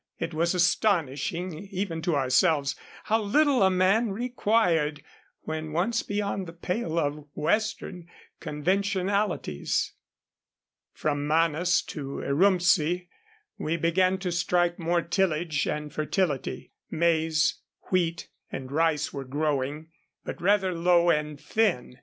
It was astonishing even to ourselves how little a man required when once beyond the pale of Western conventionalities. SPLITTING POPPY HEADS TO START THE OPIUM JUICE. From Manas to Urumtsi we began to strike more tillage and fertility. Maize, wheat, and rice were growing, but rather low and thin.